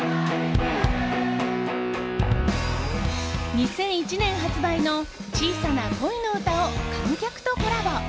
２００１年発売の「小さな恋のうた」を観客とコラボ。